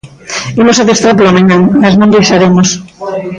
Imos adestrar pola mañá, mais non viaxaremos.